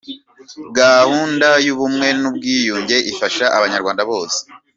Gahunda y’Ubumwe n’Ubwiyunge ifasha Abanyarwanda bose